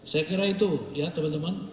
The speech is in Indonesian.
saya kira itu ya teman teman